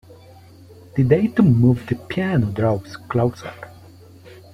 The day to move the piano draws closer.